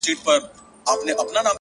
• سل غلامه په خدمت کي سل مینځیاني,